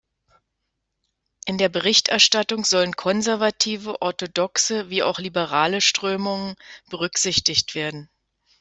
In der Berichterstattung sollen „konservative, orthodoxe wie auch liberale Strömungen“ berücksichtigt werden.